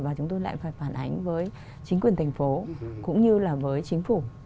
và chúng tôi lại phải phản ánh với chính quyền thành phố cũng như là với chính phủ